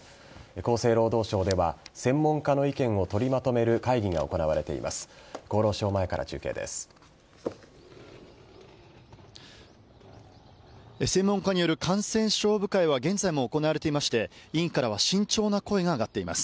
厚生労働省では専門家の意見を取りまとめる会議が行われています。